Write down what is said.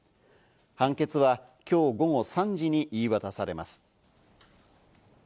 判決は今日午後３時に言い渡されます。